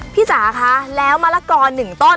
พี่สาคะแล้วมะละกอหนึ่งต้น